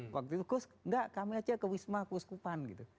waktu itu gus enggak kami aja ke wisma gus kupan gitu